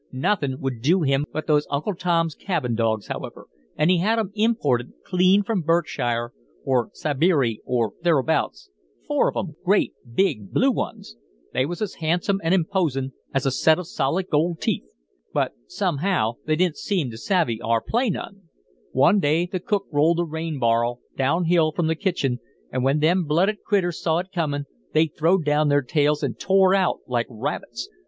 "Nothin' would do him but those Uncle Tom's Cabin dogs, however, and he had 'em imported clean from Berkshire or Sibeery or thereabouts, four of 'em, great, big, blue ones. They was as handsome and imposin' as a set of solid gold teeth, but somehow they didn't seem to savvy our play none. One day the cook rolled a rain bar'l down hill from the kitchen, and when them blooded critters saw it comin' they throwed down their tails and tore out like rabbits.